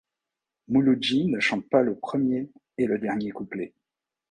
Mouloudji ne chante pas le premier et le dernier couplet.